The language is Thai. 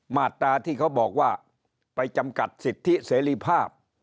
มาตราที่เขาบอกว่าไปจำกัดสิทธิเสรีภาพ